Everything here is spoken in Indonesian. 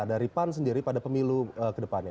dari pan sendiri pada pemilu ke depannya